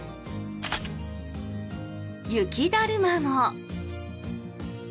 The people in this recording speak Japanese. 雪だるまも。